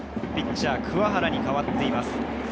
ピッチャーは鍬原に代わっています。